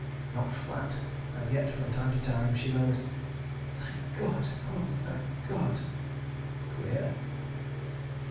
... Knocked flat—(and yet, from time to time, she murmured, "Thank God! Oh, thank God!"). Queer!